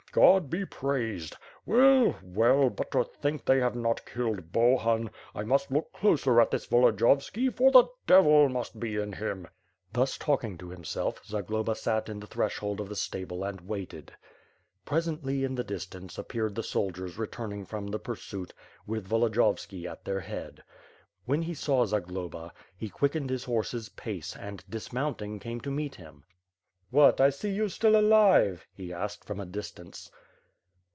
God be praised! Well, well, but to think they have not killed Bohun! I must look closer at this Volodiyovskd, for the devil must be in him." Thus talking to himslef, Zagloba sat in the threshold of the stable and waited. Presently, in the distance, appeared the soldiers returning from the pursuit, with Volodiyovski at their head. When he saw Zagloba, he quickened his horse's pace and, dismoun ing, came to meet him. "What, I see you still alive!" he asked, from a distance.